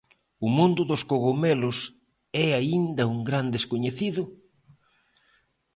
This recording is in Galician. O mundo dos cogomelos é aínda un gran descoñecido?